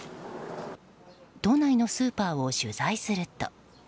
都内のスーパーを取材すると。